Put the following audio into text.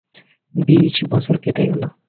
বিশ বছর কেটে গেল।